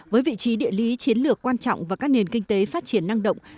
với vị trí địa lý chiến lược quan trọng và các nền kinh tế phát triển năng động